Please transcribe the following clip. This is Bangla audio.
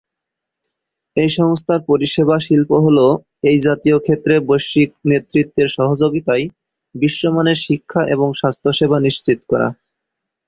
এই সংস্থার পরিষেবা শিল্প হলো এই জাতীয় ক্ষেত্রে বৈশ্বিক নেতৃত্বের সহযোগিতায় বিশ্বমানের শিক্ষা এবং স্বাস্থ্যসেবা নিশ্চিত করা।